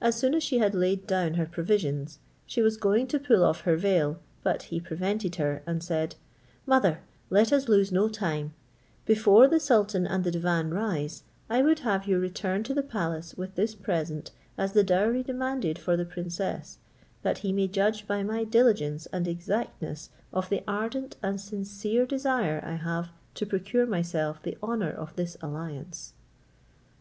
As soon as she had laid down her provisions, she was going to pull off her veil; but he prevented her, and said, "Mother, let us lose no time; before the sultan and the divan rise, I would have you return to the palace with this present as the dowry demanded for the princess, that he may judge by my diligence and exactness of the ardent and sincere desire I have to procure myself the honour of this alliance."